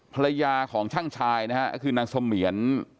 ภรรยาของช่างชายนะฮะก็คือนางเสมียน